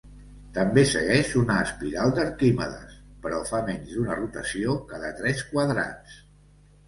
També segueix una espiral d'Arquimedes, però fa menys d'una rotació cada tres quadrats.